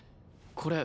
これ。